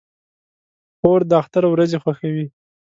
خور د اختر ورځې خوښوي.